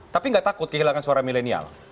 tapi gak takut kehilangan suara milenial